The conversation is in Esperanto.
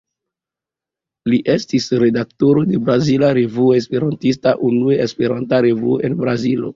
Li estis redaktoro de Brazila Revuo Esperantista, unua Esperanta revuo en Brazilo.